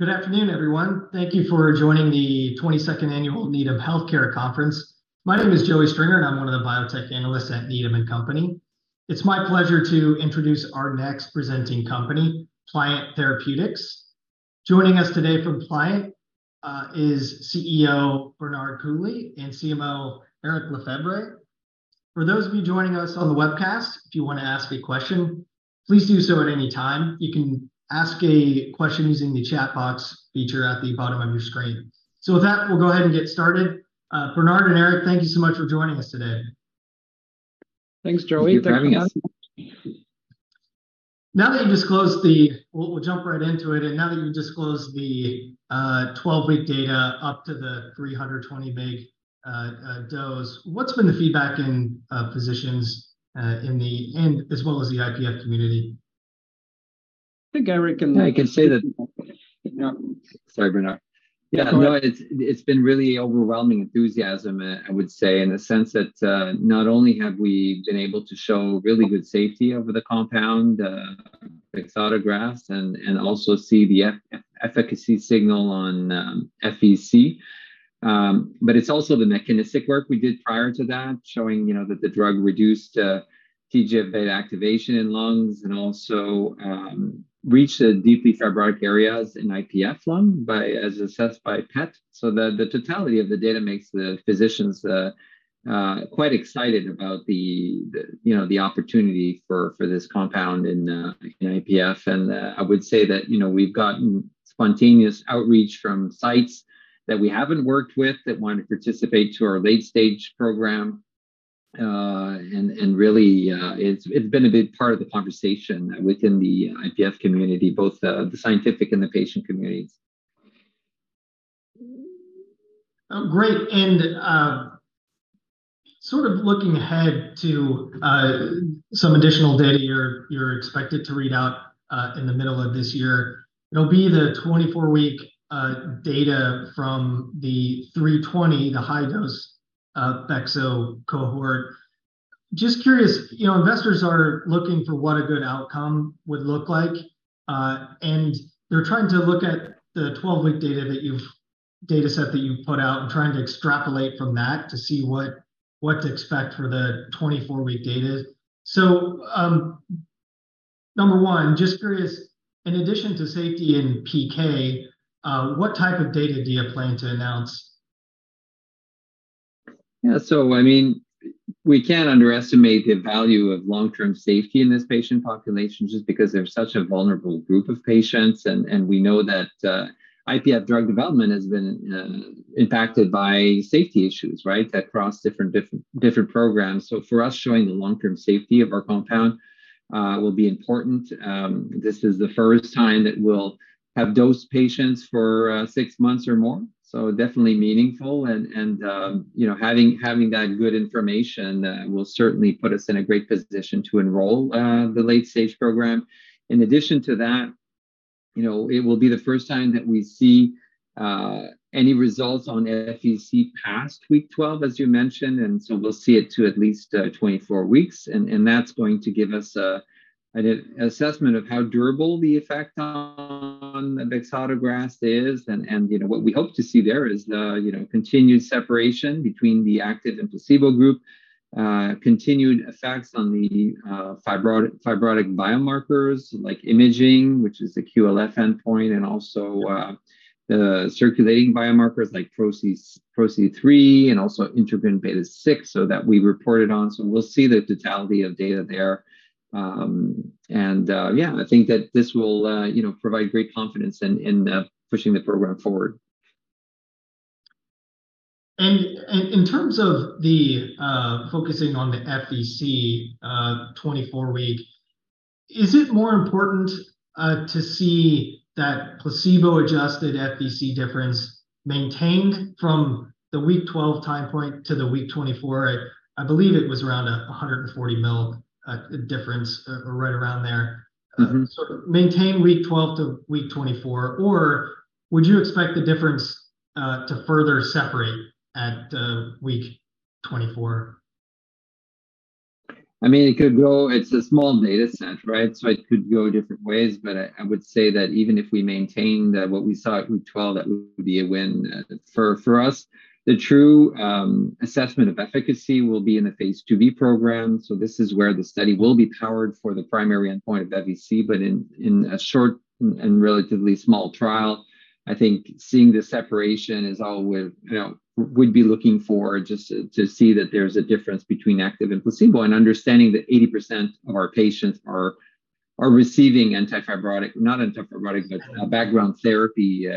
Good afternoon, everyone. Thank you for joining the 22nd Annual Needham Healthcare Conference. My name is Joey Stringer, and I'm one of the biotech analysts at Needham & Company. It's my pleasure to introduce our next presenting company, Pliant Therapeutics. Joining us today from Pliant, is CEO Bernard Coulie and CMO Éric Lefebvre. For those of you joining us on the webcast, if you want to ask a question, please do so at any time. You can ask a question using the chat box feature at the bottom of your screen. With that, we'll go ahead and get started. Bernard and Eric, thank you so much for joining us today. Thanks, Joey. Thank you for having us. Now that you've disclosed the 12-week data up to the 320 mg dose, what's been the feedback and positions in the end as well as the IPF community? I think Éric and I can say that. Yeah. Sorry, Bernard. Yeah, go ahead. No, it's been really overwhelming enthusiasm, I would say, in the sense that, not only have we been able to show really good safety of the compound, bexotegrast, and also see the efficacy signal on FVC, but it's also the mechanistic work we did prior to that, showing, you know, that the drug reduced TGF-β activation in lungs and also reached the deeply fibrotic areas in IPF lung as assessed by PET. The totality of the data makes the physicians quite excited about the, you know, the opportunity for this compound in IPF. I would say that, you know, we've gotten spontaneous outreach from sites that we haven't worked with that want to participate to our late-stage program. Really, it's been a big part of the conversation within the IPF community, both, the scientific and the patient communities. Great. Sort of looking ahead to some additional data you're expected to read out in the middle of this year. It'll be the 24-week data from the 320 mg, the high dose bexo cohort. Just curious, you know, investors are looking for what a good outcome would look like, and they're trying to look at the 12-week dataset that you've put out and trying to extrapolate from that to see what to expect for the 24-week data. Number one, just curious, in addition to safety and PK, what type of data do you plan to announce? Yeah. I mean, we can't underestimate the value of long-term safety in this patient population just because they're such a vulnerable group of patients, and we know that IPF drug development has been impacted by safety issues, right? Across different programs. For us, showing the long-term safety of our compound will be important. This is the first time that we'll have dosed patients for six months or more, so definitely meaningful and, you know, having that good information will certainly put us in a great position to enroll the late-stage program. In addition to that, you know, it will be the first time that we see any results on FVC past week 12, as you mentioned, we'll see it to at least 24 weeks. That's going to give us an assessment of how durable the effect on the bexotegrast is. You know, what we hope to see there is the, you know, continued separation between the active and placebo group, continued effects on the fibrotic biomarkers like imaging, which is the QLF endpoint, and also, the circulating biomarkers like PRO-C3 and also integrin beta-6 so that we reported on. We'll see the totality of data there. Yeah, I think that this will, you know, provide great confidence in pushing the program forward. In terms of the focusing on the FVC, 24-week, is it more important to see that placebo-adjusted FVC difference maintained from the week 12 time point to the week 24? I believe it was around 140 ml difference or right around there. Mm-hmm. Sort of maintain week 12 to week 24, or would you expect the difference, to further separate at, week 24? I mean, it could go, it's a small data set, right? It could go different ways, but I would say that even if we maintain what we saw at week 12, that would be a win for us. The true assessment of efficacy will be in the phase II-B program, this is where the study will be powered for the primary endpoint of FVC. In a short and relatively small trial, I think seeing the separation is all we're, you know, we'd be looking for just to see that there's a difference between active and placebo and understanding that 80% of our patients are receiving antifibrotic, not antifibrotic, but a background therapy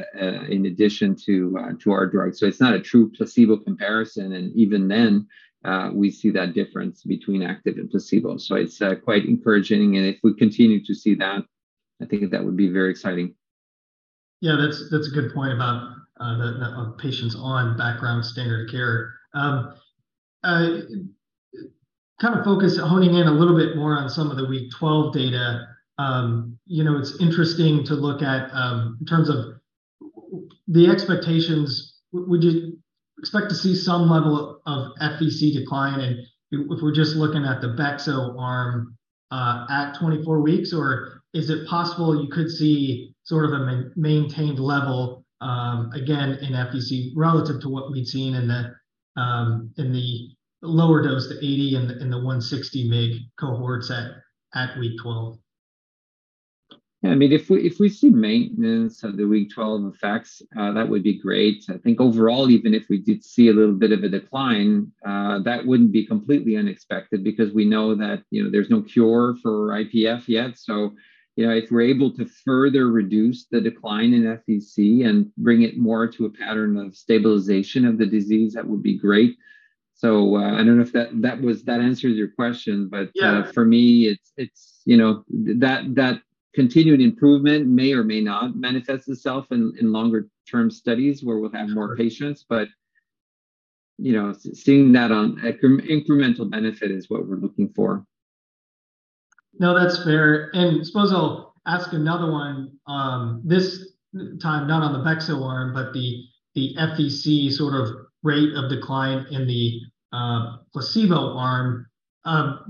in addition to our drug. It's not a true placebo comparison, and even then, we see that difference between active and placebo. It's quite encouraging, and if we continue to see that, I think that would be very exciting. Yeah, that's a good point about the patients on background standard of care. Kind of focused honing in a little bit more on some of the week 12 data. you know, it's interesting to look at. The expectations, would you expect to see some level of FVC decline and if we're just looking at the bexo arm at 24 weeks? Is it possible you could see sort of a maintained level again in FVC relative to what we'd seen in the lower dose, the 80 mg and the 160 mg cohorts at week 12? Yeah. I mean, if we see maintenance of the week 12 effects, that would be great. I think overall, even if we did see a little bit of a decline, that wouldn't be completely unexpected because we know that, you know, there's no cure for IPF yet. You know, if we're able to further reduce the decline in FVC and bring it more to a pattern of stabilization of the disease, that would be great. I don't know if that answers your question. Yeah For me it's, you know, that continued improvement may or may not manifest itself in longer term studies where we'll have more patients. You know, seeing that on incremental benefit is what we're looking for. No, that's fair. I suppose I'll ask another one, this time not on the bexo arm, but the FVC sort of rate of decline in the placebo arm.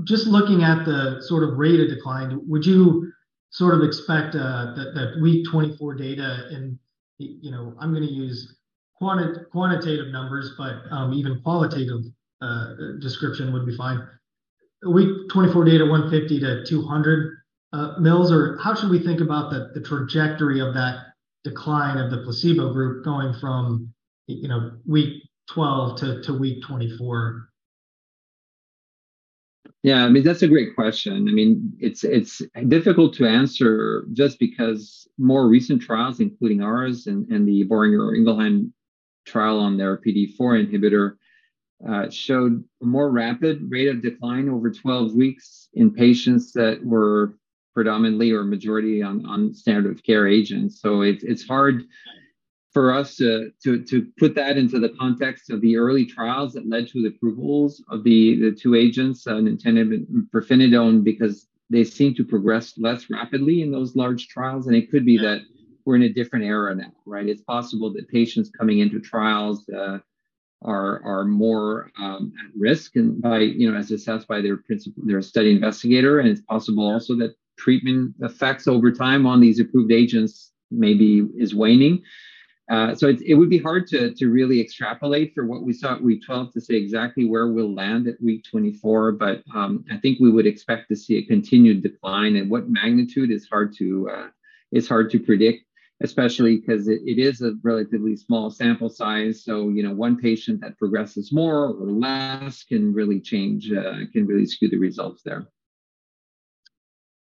Just looking at the sort of rate of decline, would you sort of expect that week 24 data and, you know, I'm gonna use quantitative numbers, but even qualitative description would be fine. Week 24 data 150-200 mils or how should we think about the trajectory of that decline of the placebo group going from, you know, week 12 to week 24? Yeah, I mean, that's a great question. I mean, it's difficult to answer just because more recent trials, including ours and the Boehringer Ingelheim trial on their PDE4 inhibitor showed a more rapid rate of decline over 12 weeks in patients that were predominantly or majority on standard of care agents. It's hard for us to put that into the context of the early trials that led to the approvals of the two agents, nintedanib and pirfenidone, because they seem to progress less rapidly in those large trials. It could be that we're in a different era now, right? It's possible that patients coming into trials are more at risk and by, you know, as assessed by their study investigator, and it's possible also that treatment effects over time on these approved agents maybe is waning. It would be hard to really extrapolate for what we saw at week 12 to say exactly where we'll land at week 24, but I think we would expect to see a continued decline. At what magnitude is hard to predict, especially 'cause it is a relatively small sample size. You know, one patient that progresses more or less can really change, can really skew the results there.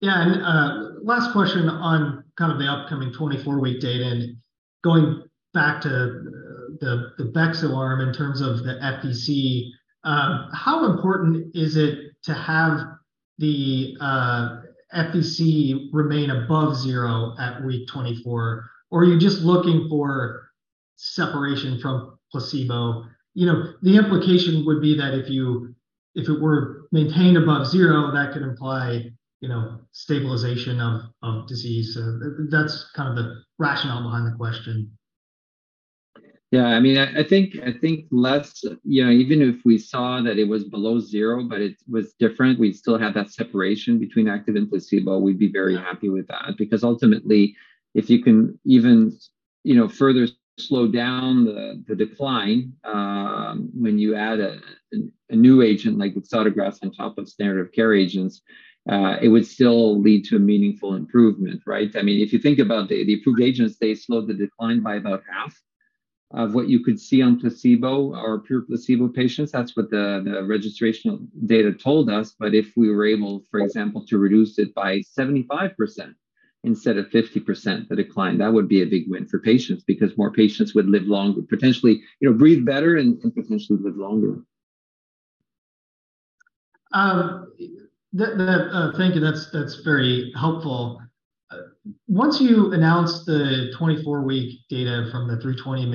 Yeah. Last question on kind of the upcoming 24 week data and going back to the bexo arm in terms of the FVC. How important is it to have the FVC remain above zero at week 24, or are you just looking for separation from placebo? You know, the implication would be that if it were maintained above zero, that could imply, you know, stabilization of disease. That's kind of the rationale behind the question. Yeah. I mean, I think less, you know, even if we saw that it was below zero, but it was different, we still had that separation between active and placebo, we'd be very happy with that. Ultimately, if you can even, you know, further slow down the decline, when you add a new agent like bexotegrast on top of standard of care agents, it would still lead to a meaningful improvement, right? I mean, if you think about the approved agents, they slowed the decline by about half of what you could see on placebo or pure placebo patients. That's what the registrational data told us. If we were able, for example, to reduce it by 75% instead of 50% the decline, that would be a big win for patients because more patients would live longer, potentially, you know, breathe better and potentially live longer. Thank you. That's very helpful. Once you announce the 24 week data from the 320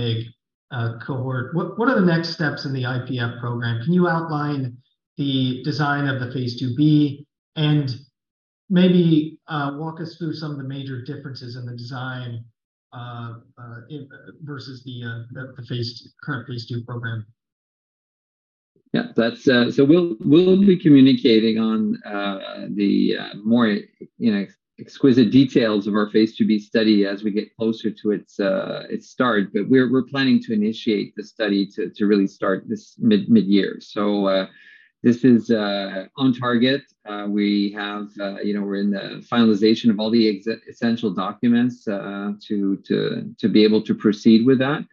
mg cohort, what are the next steps in the IPF program? Can you outline the design of the phase II-B and maybe walk us through some of the major differences in the design versus the current phase II program? Yeah, that's. We'll be communicating on the more exquisite details of our phase II-B study as we get closer to its start. We're planning to initiate the study to really start this mid-year. This is on target. We have, you know, we're in the finalization of all the essential documents to be able to proceed with that.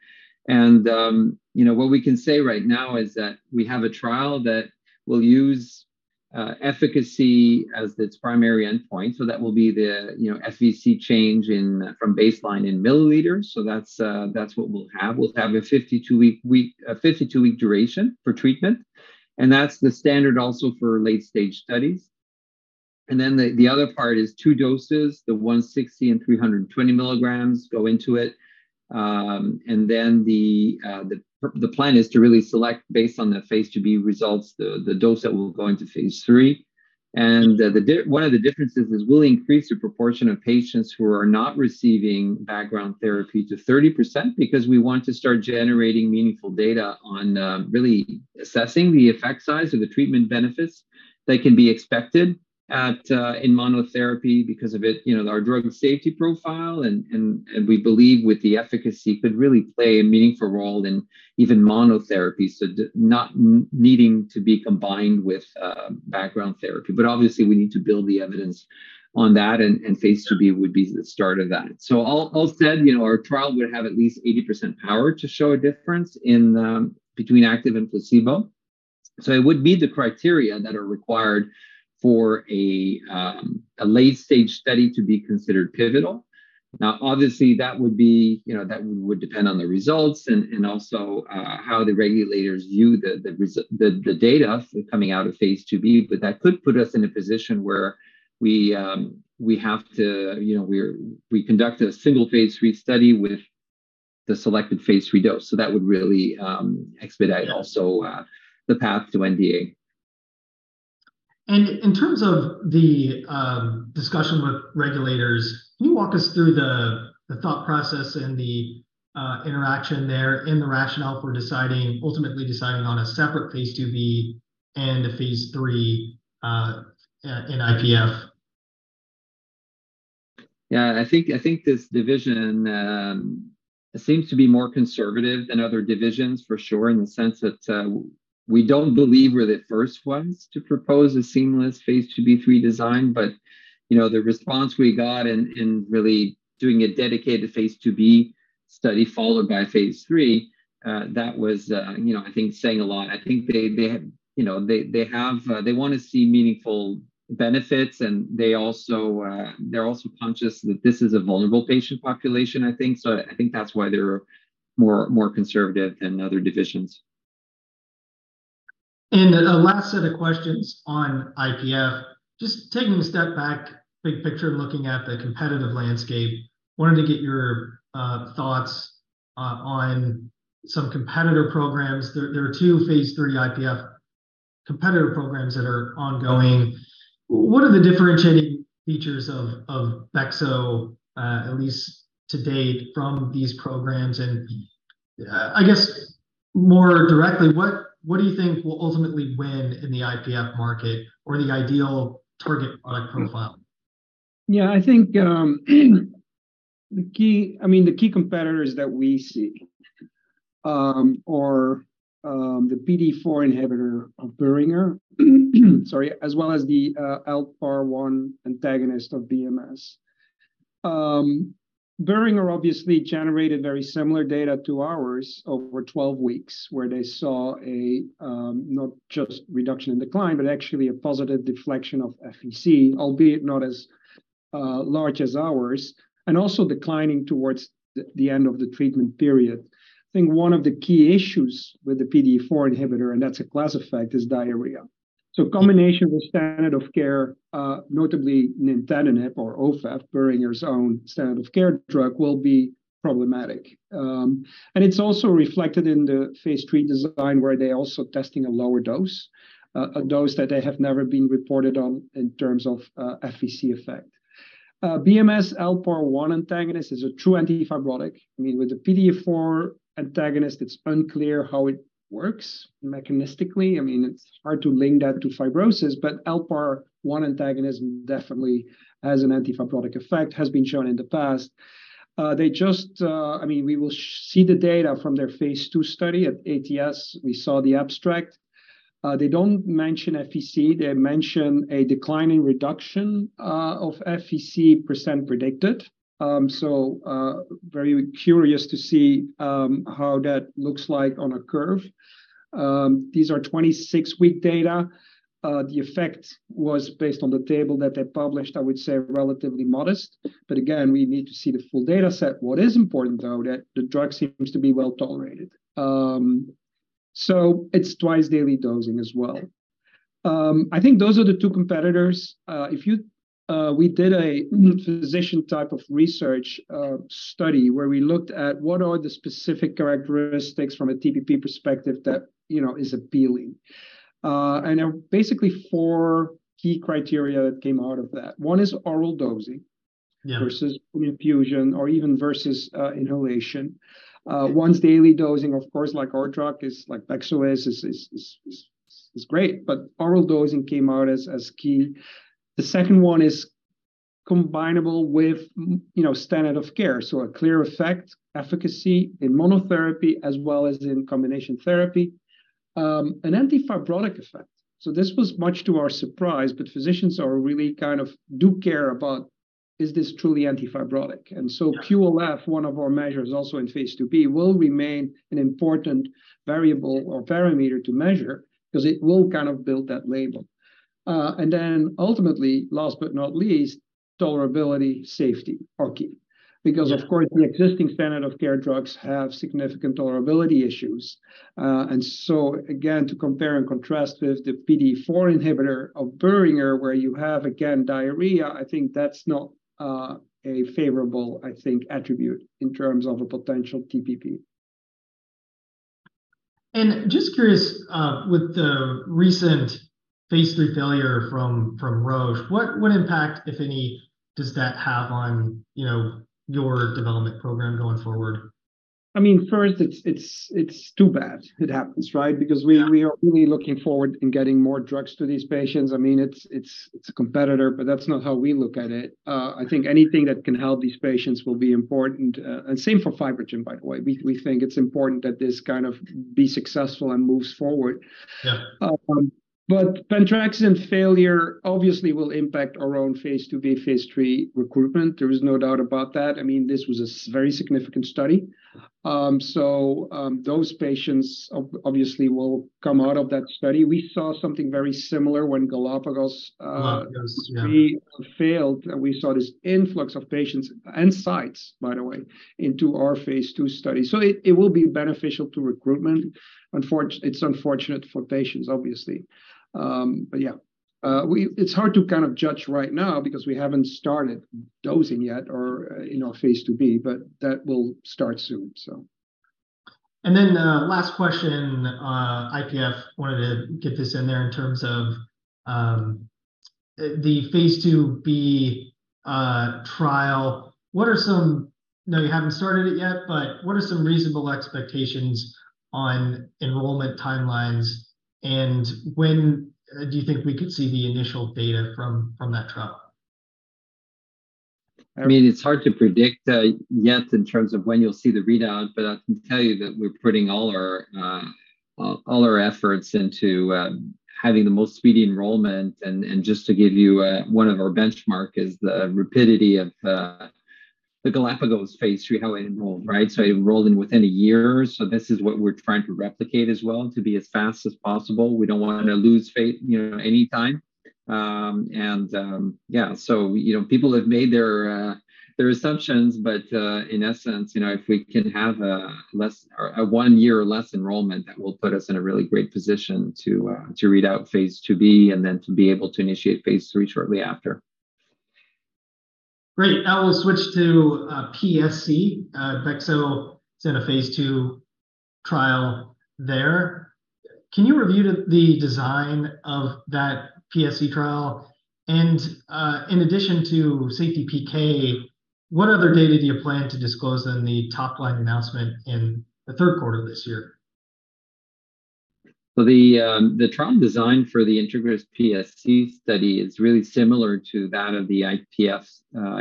You know, what we can say right now is that we have a trial that will use efficacy as its primary endpoint. That will be the, you know, FVC change from baseline in milliliters. That's what we'll have. We'll have a 52-week duration for treatment, and that's the standard also for late-stage studies. The other part is two doses, the 160 and 320 milligrams go into it. The plan is to really select based on the phase II-B results, the dose that will go into phase III. One of the differences is we'll increase the proportion of patients who are not receiving background therapy to 30% because we want to start generating meaningful data on really assessing the effect size of the treatment benefits that can be expected at in monotherapy because of it. You know, our drug and safety profile and we believe with the efficacy could really play a meaningful role in even monotherapy, so not needing to be combined with background therapy. Obviously we need to build the evidence on that, and phase II-B would be the start of that. All said, you know, our trial would have at least 80% power to show a difference in between active and placebo. It would meet the criteria that are required for a late-stage study to be considered pivotal. Obviously that would be, you know, that would depend on the results and also how the regulators view the data coming out of phase II-B, but that could put us in a position where we have to, you know, we conduct a single phase III study with the selected phase III dose. That would really expedite also the path to NDA. In terms of the discussion with regulators, can you walk us through the thought process and the interaction there in the rationale for ultimately deciding on a separate phase II-B and a phase III in IPF? Yeah. I think, I think this division seems to be more conservative than other divisions for sure, in the sense that we don't believe we're the first ones to propose a seamless phase II-B/III design. You know, the response we got in really doing a dedicated phase II-B study followed by phase III, that was, you know, I think saying a lot. I think they, you know, they wanna see meaningful benefits, and they also, they're also conscious that this is a vulnerable patient population, I think. I think that's why they're more conservative than other divisions. A last set of questions on IPF. Just taking a step back, big picture, looking at the competitive landscape, wanted to get your thoughts on some competitor programs. There are two phase III IPF competitor programs that are ongoing. What are the differentiating features of bexo, at least to date from these programs? I guess more directly, what do you think will ultimately win in the IPF market or the ideal target product profile? Yeah. I mean, the key competitors that we see are the PDE4 inhibitor of Boehringer, sorry, as well as the LPA1 antagonist of BMS. Boehringer obviously generated very similar data to ours over 12 weeks, where they saw a not just reduction in decline, but actually a positive deflection of FVC, albeit not as large as ours, and also declining towards the end of the treatment period. I think one of the key issues with the PDE4 inhibitor, and that's a class effect, is diarrhea. Combination with standard of care, notably nintedanib or OFEV, Boehringer's own standard of care drug, will be problematic. It's also reflected in the phase III design, where they're also testing a lower dose, a dose that they have never been reported on in terms of FVC effect. BMS LPA1 antagonist is a true antifibrotic. I mean, with the PDE4 antagonist, it's unclear how it works mechanistically. I mean, it's hard to link that to fibrosis. LPA1 antagonism definitely has an antifibrotic effect, has been shown in the past. They just. I mean, we will see the data from their phase II study. At ATS, we saw the abstract. They don't mention FVC. They mention a decline in reduction of FVC percent predicted. Very curious to see how that looks like on a curve. These are 26-week data. The effect was based on the table that they published, I would say relatively modest. Again, we need to see the full data set. What is important, though, that the drug seems to be well-tolerated. It's twice daily dosing as well. I think those are the two competitors. We did a physician type of research, study where we looked at what are the specific characteristics from a TPP perspective that, you know, is appealing. There were basically four key criteria that came out of that. One is oral dosing. Yeah. Versus infusion or even versus inhalation. Once daily dosing, of course, like our drug is, like bexo is great, oral dosing came out as key. The second one is combinable with, you know, standard of care, so a clear effect, efficacy in monotherapy as well as in combination therapy. An antifibrotic effect. This was much to our surprise, but physicians are really kind of do care about is this truly antifibrotic. QLF, one of our measures also in phase II-B, will remain an important variable or parameter to measure 'cause it will kind of build that label. Ultimately, last but not least, tolerability, safety are key. Yeah. Of course the existing standard of care drugs have significant tolerability issues. Again, to compare and contrast with the PDE4 inhibitor of Boehringer, where you have again diarrhea, I think that's not, a favorable, I think, attribute in terms of a potential TPP. Just curious, with the recent phase III failure from Roche, what impact, if any, does that have on, you know, your development program going forward? I mean, first, it's too bad it happens, right? Yeah. We are really looking forward in getting more drugs to these patients. I mean, it's a competitor, but that's not how we look at it. I think anything that can help these patients will be important. Same for FibroGen, by the way. We think it's important that this kind of be successful and moves forward. Yeah. Pentraxin-2 failure obviously will impact our own phase II-B, phase III recruitment. There is no doubt about that. I mean, this was a very significant study. Those patients obviously will come out of that study. We saw something very similar when Galapagos. Galapagos, yeah. They failed. We saw this influx of patients and sites, by the way, into our phase II study. It will be beneficial to recruitment. It's unfortunate for patients, obviously. Yeah. It's hard to kind of judge right now because we haven't started dosing yet or, you know, phase II-B, but that will start soon. Last question, IPF. Wanted to get this in there in terms of the phase II-B trial. I know you haven't started it yet, but what are some reasonable expectations on enrollment timelines, and when do you think we could see the initial data from that trial? I mean, it's hard to predict, yet in terms of when you'll see the readout, but I can tell you that we're putting all our efforts into having the most speedy enrollment. Just to give you one of our benchmark is the rapidity of the Galapagos phase III, how it enrolled, right? It enrolled in within a year. This is what we're trying to replicate as well, to be as fast as possible. We don't wanna lose phase, you know, anytime. Yeah. You know, people have made their assumptions, but, in essence, you know, if we can have a less or a one year or less enrollment, that will put us in a really great position to read out phase II-B and then to be able to initiate phase III shortly after. Great. Now we'll switch to PSC. Bexo is in a phase II trial there. Can you review the design of that PSC trial? In addition to safety PK, what other data do you plan to disclose in the top line announcement in the third quarter of this year? The trial design for the INTEGRIS-PSC study is really similar to that of the IPF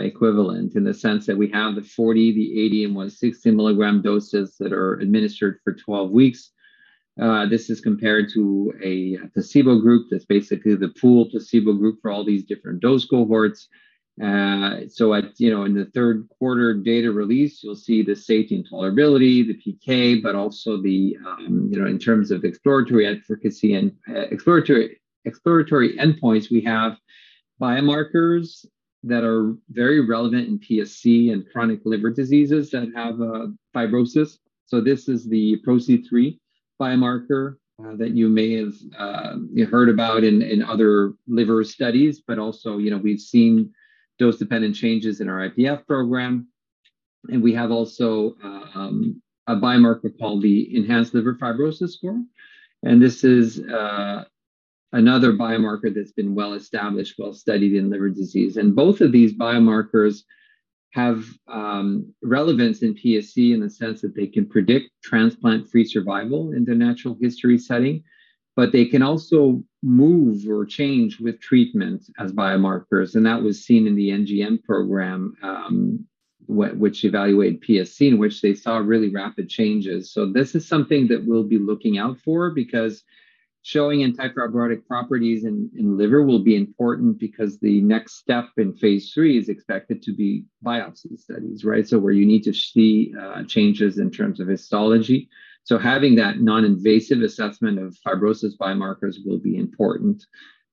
equivalent, in the sense that we have the 40, the 80, and 160 milligram doses that are administered for 12 weeks. This is compared to a placebo group that's basically the pool placebo group for all these different dose cohorts. At, you know, in the third quarter data release, you'll see the safety and tolerability, the PK, but also, you know, in terms of exploratory efficacy and exploratory endpoints, we have biomarkers that are very relevant in PSC and chronic liver diseases that have fibrosis. This is the PRO-C3 biomarker that you may have heard about in other liver studies. Also, you know, we've seen dose-dependent changes in our IPF program. We have also a biomarker called the Enhanced Liver Fibrosis score, and this is another biomarker that's been well-established, well-studied in liver disease. Both of these biomarkers have relevance in PSC in the sense that they can predict transplant-free survival in the natural history setting, but they can also move or change with treatment as biomarkers. That was seen in the NGN program, which evaluated PSC, in which they saw really rapid changes. This is something that we'll be looking out for because showing anti-fibrotic properties in liver will be important because the next step in phase III is expected to be biopsy studies, right? Where you need to see changes in terms of histology. Having that non-invasive assessment of fibrosis biomarkers will be important.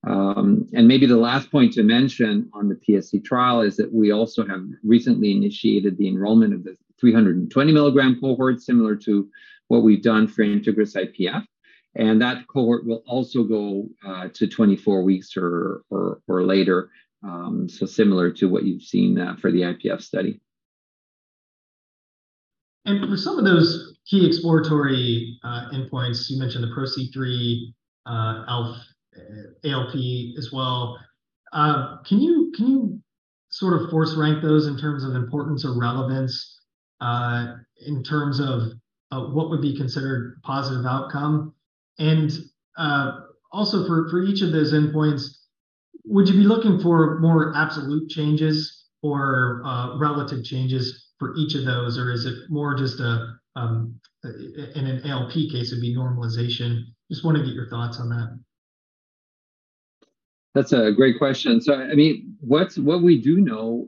Maybe the last point to mention on the PSC trial is that we also have recently initiated the enrollment of the 320 milligram cohort, similar to what we've done for INTEGRIS-IPF. That cohort will also go to 24 weeks or later, so similar to what you've seen for the IPF study. For some of those key exploratory endpoints, you mentioned the PRO-C3, ELF, ALP as well. Can you sort of force rank those in terms of importance or relevance in terms of what would be considered positive outcome? Also for each of those endpoints, would you be looking for more absolute changes or relative changes for each of those? Or is it more just a in an ALP case, it'd be normalization. Just wanna get your thoughts on that. That's a great question. I mean, what we do know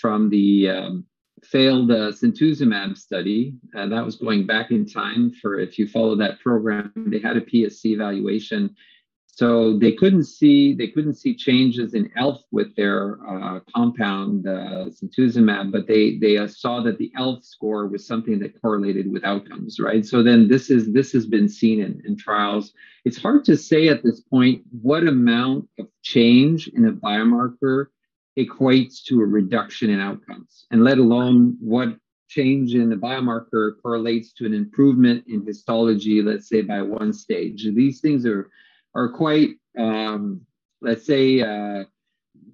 from the failed simtuzumab study that was going back in time for if you follow that program, they had a PSC evaluation. They couldn't see changes in ELF with their compound simtuzumab, but they saw that the ELF score was something that correlated with outcomes, right? This has been seen in trials. It's hard to say at this point what amount of change in a biomarker equates to a reduction in outcomes, and let alone what change in the biomarker correlates to an improvement in histology, let's say by one stage. These things are quite, let's say,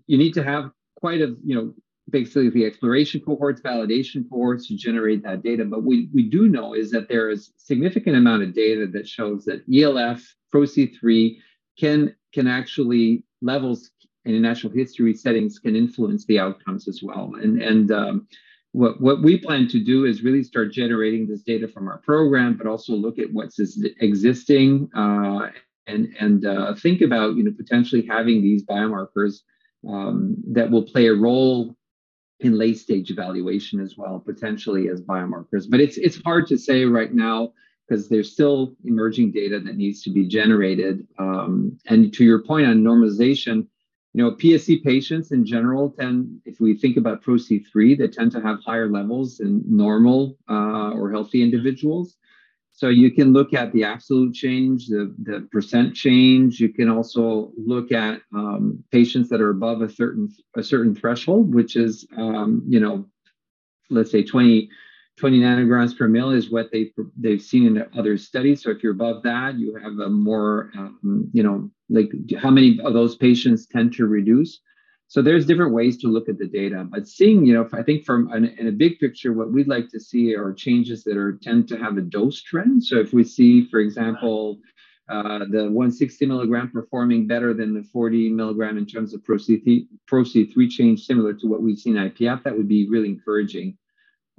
you need to have quite a, you know, basically the exploration cohorts, validation cohorts to generate that data. We do know is that there is significant amount of data that shows that ELF PRO-C3 can actually, levels in a natural history settings can influence the outcomes as well. What we plan to do is really start generating this data from our program, but also look at what's existing and think about, you know, potentially having these biomarkers that will play a role in late stage evaluation as well, potentially as biomarkers. It's hard to say right now 'cause there's still emerging data that needs to be generated. To your point on normalization, you know, PSC patients in general tend, if we think about PRO-C3, they tend to have higher levels in normal or healthy individuals. So you can look at the absolute change, the percent change. You can also look at, patients that are above a certain threshold, which is, you know, let's say 20 nanograms per ml is what they've seen in other studies. If you're above that, you have a more, you know, like how many of those patients tend to reduce. There's different ways to look at the data. Seeing, you know, I think from an, in a big picture, what we'd like to see are changes that tend to have a dose trend. If we see, for example, the 160 milligram performing better than the 40 milligram in terms of PRO-C3 change similar to what we've seen in IPF, that would be really encouraging.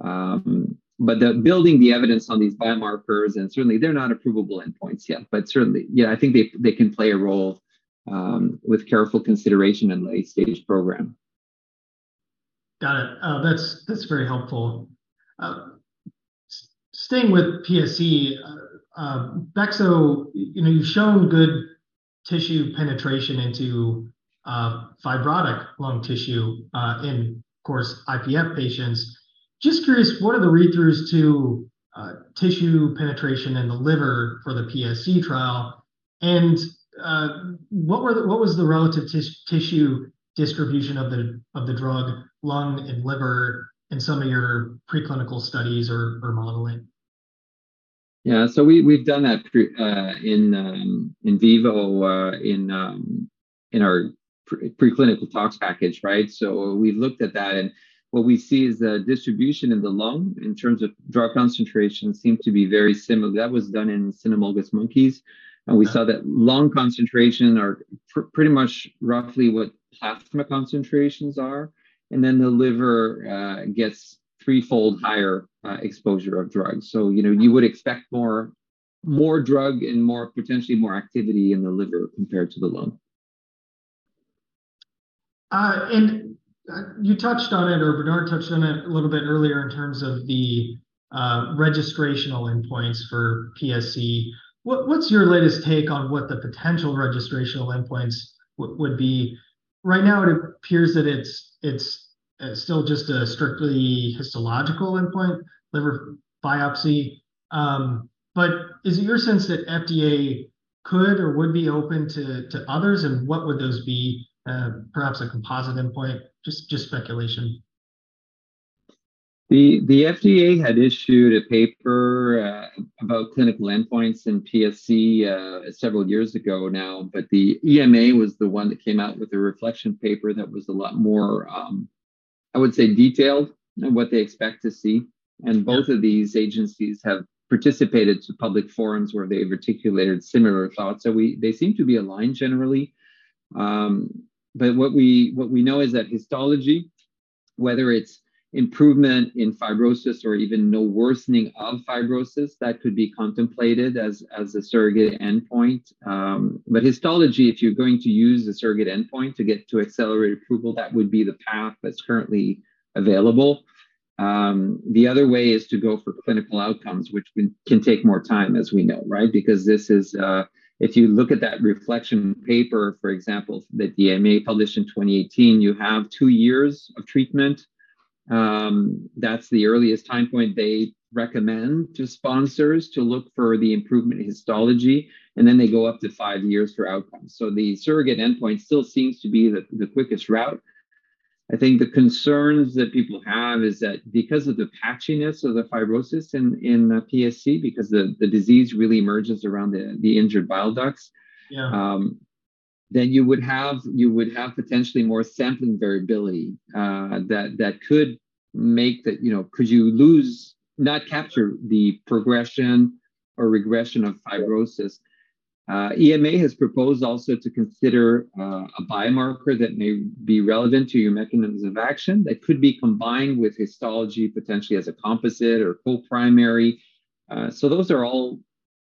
The building the evidence on these biomarkers, and certainly they're not approvable endpoints yet. Certainly, yeah, I think they can play a role with careful consideration in late stage program. Got it. That's very helpful. Staying with PSC, bexo, you know, you've shown good tissue penetration into fibrotic lung tissue in of course IPF patients. Just curious, what are the read-throughs to tissue penetration in the liver for the PSC trial? What was the relative tissue distribution of the drug, lung and liver in some of your preclinical studies or modeling? Yeah. We've done that in vivo in our preclinical tox package, right? We've looked at that, and what we see is the distribution in the lung in terms of drug concentration seem to be very similar. That was done in cynomolgus monkeys, and we saw that lung concentration are pretty much roughly what plasma concentrations are. The liver gets threefold higher exposure of drugs. You know, you would expect more drug and more, potentially more activity in the liver compared to the lung. You touched on it, or Bernard touched on it a little bit earlier in terms of the registrational endpoints for PSC. What's your latest take on what the potential registrational endpoints would be? Right now, it appears that it's still just a strictly histological endpoint, liver biopsy. Is it your sense that FDA could or would be open to others, and what would those be, perhaps a composite endpoint? Just speculation. The FDA had issued a paper about clinical endpoints in PSC, several years ago now. The EMA was the one that came out with a reflection paper that was a lot more, I would say, detailed in what they expect to see. Both of these agencies have participated to public forums where they articulated similar thoughts. They seem to be aligned generally. What we know is that histology, whether it's improvement in fibrosis or even no worsening of fibrosis, that could be contemplated as a surrogate endpoint. Histology, if you're going to use a surrogate endpoint to get to accelerated approval, that would be the path that's currently available. The other way is to go for clinical outcomes, which can take more time as we know, right? Because this is, if you look at that reflection paper, for example, that the EMA published in 2018, you have two years of treatment. That's the earliest time point they recommend to sponsors to look for the improvement in histology, and then they go up to five years for outcomes. The surrogate endpoint still seems to be the quickest route. I think the concerns that people have is that because of the patchiness of the fibrosis in PSC, because the disease really emerges around the injured bile ducts. Yeah. Then you would have potentially more sampling variability, that could make the, you know, could you lose, not capture the progression or regression of fibrosis. EMA has proposed also to consider a biomarker that may be relevant to your mechanisms of action that could be combined with histology potentially as a composite or co-primary. Those are all,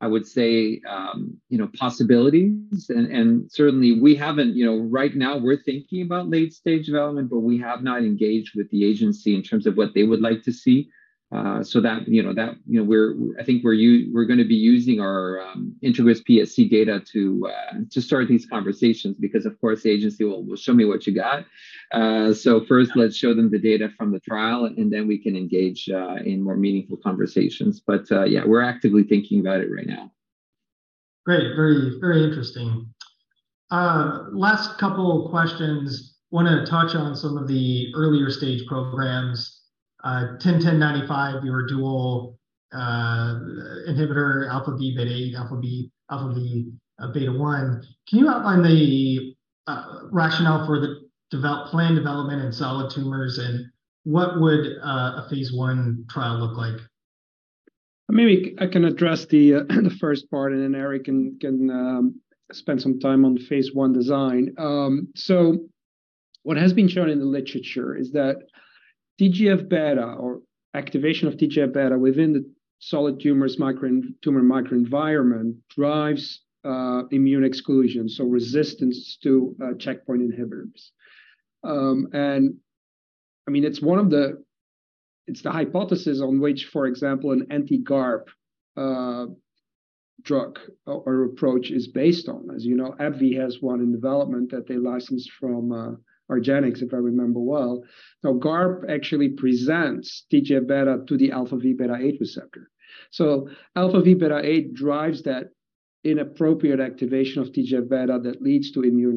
I would say, you know, possibilities. Certainly we haven't, you know, right now we're thinking about late stage development, but we have not engaged with the agency in terms of what they would like to see. That, you know, I think we're gonna be using our INTEGRIS-PSC data to start these conversations because of course the agency will show me what you got. First let's show them the data from the trial, and then we can engage in more meaningful conversations. Yeah, we're actively thinking about it right now. Great. Very, very interesting. Last couple questions. Wanna touch on some of the earlier stage programs. PLN-101095, your dual inhibitor αvβ8, αvβ1. Can you outline the rationale for the plan development in solid tumors, and what would a phase I trial look like? Maybe I can address the first part, and then Éric can spend some time on the phase I design. What has been shown in the literature is that TGF-β or activation of TGF-β within the solid tumor microenvironment drives immune exclusion, so resistance to checkpoint inhibitors. I mean, it's the hypothesis on which, for example, an anti-GARP or approach is based on. As you know, AbbVie has one in development that they licensed from argenx, if I remember well. GARP actually presents TGF-β to the αvβ8 receptor. αvβ8 drives that inappropriate activation of TGF-β that leads to immune.